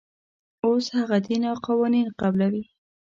اوس هغه دین او قوانین قبلوي.